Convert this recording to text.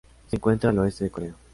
Se encuentra al oeste de Corea.